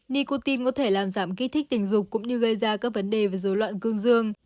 nicotin có thể làm giảm kích thích tình dục cũng như gây ra các vấn đề về dối loạn cương dương